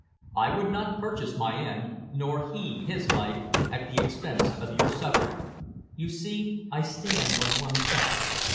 I would not purchase my end, nor he his life, at the expense of your suffering. You see, I stand on one side.